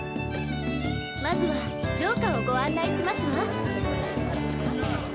まずは城下をご案内しますわ。